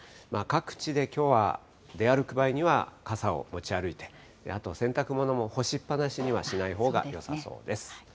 各地できょうは出歩く場合には傘を持ち歩いて、あと洗濯物も干しっぱなしにはしないほうがよさそうです。